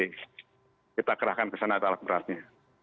jadi kita kerahkan ke sana talak berasnya